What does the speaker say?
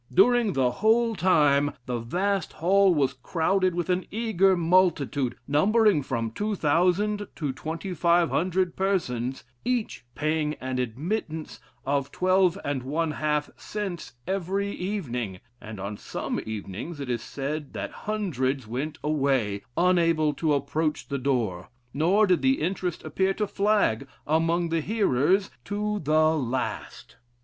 During the whole time, the vast hall was crowded with an eager multitude numbering from 2000 to 2500 persons each paying an admittance of 12 1 2 cents every evening, and on some evenings it is said that hundreds went away, unable to approach the door; nor did the interest appear to flag among the hearers to the last.